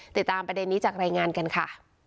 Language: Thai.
ติดตามประเด็นนี้จากรายงานกันค่ะ